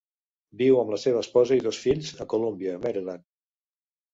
Viu amb la seva esposa i dos fills a Columbia, Maryland.